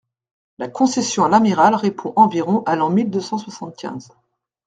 La concession à l'amiral répond environ à l'an mille deux cent soixante-quinze.